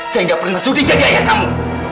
saya nggak pernah sudir jadi ayah kamu